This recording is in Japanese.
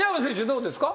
どうですか？